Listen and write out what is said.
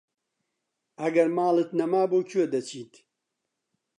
ئەگەر ماڵت نەما بۆ کوێ دەچیت؟